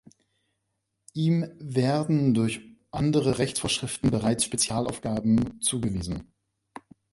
Ihm werden durch andere Rechtsvorschriften bereits Spezialaufgaben zugewiesen.